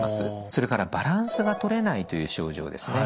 それからバランスがとれないという症状ですね